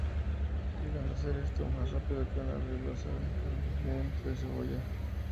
Llegando a ser esto, más rápido que una red basada en encaminamiento de cebolla.